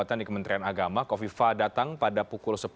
terima kasih pak